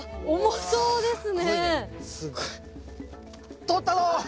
そうですね。